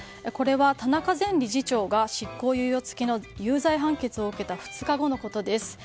これは田中前理事長が執行猶予付きの有罪判決を受けた２日後のことです。